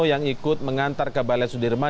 yang ikut mengantar ke balai sudirman